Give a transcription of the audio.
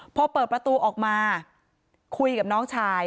พอเปิดประตูออกมาคุยกับน้องชาย